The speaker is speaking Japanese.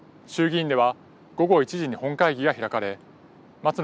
衆議院では、午後１時に本会議が開かれ松野